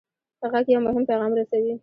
غږ یو مهم پیغام رسوي.